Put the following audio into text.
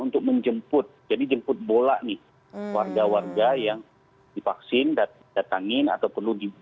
untuk menjemput jadi jemput bola nih warga warga yang divaksin datangin atau perlu di